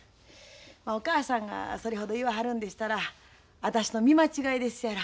お母さんがそれほど言わはるんでしたら私の見間違いですやろ。